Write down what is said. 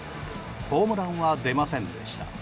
ホームランは出ませんでした。